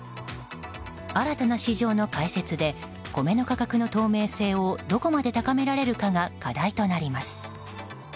新たな市場の開設で米の価格の透明性をどこまで高められるかが課題となります。